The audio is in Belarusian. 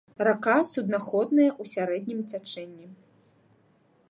Рака суднаходная ў сярэднім цячэнні.